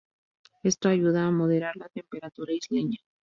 Esto ayuda a moderar la temperatura isleña.